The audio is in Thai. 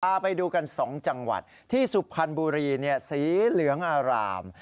พาไปดูกัน๒จังหวัดที่สุพรรณบุรีสีเหลืองอาราม